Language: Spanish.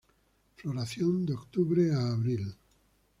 Floración de octubre a abril.